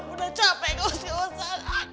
udah capek usia usia